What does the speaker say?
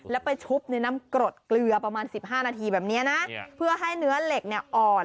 แล้วไปชุบในน้ำกรดเกลือประมาณ๑๕นาทีแบบนี้นะเพื่อให้เนื้อเหล็กเนี่ยอ่อน